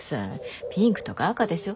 ピンクとか赤でしょ。